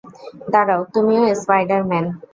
দাঁড়াও, তুমিও স্পাইডার-ম্যান?